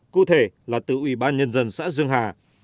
cụ thể là từ ubnd xã dương hà